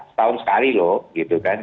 setahun sekali loh gitu kan